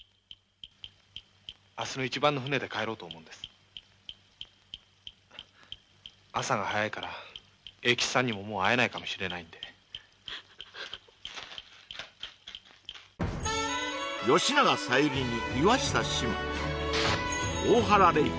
明日の一番の船で帰ろうと思うんです・朝が早いから栄吉さんにももう会えないかもしれないんで吉永小百合に岩下志麻大原麗子